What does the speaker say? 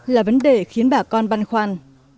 là vấn đề khiến bà con băn khoăn